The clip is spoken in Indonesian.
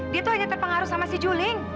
dia tuh hanya terpengaruh sama si juling